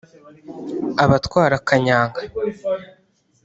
abatwara kanyanga